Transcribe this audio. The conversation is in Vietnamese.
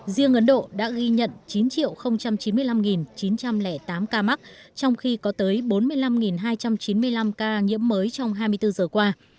riêng ấn độ đã ghi nhận chín chín mươi năm chín trăm linh tám ca mắc trong khi có tới bốn mươi năm hai trăm chín mươi năm ca nhiễm mới trong hai mươi bốn giờ qua